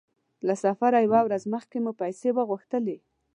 له سفره يوه ورځ مخکې مو پیسې وغوښتلې.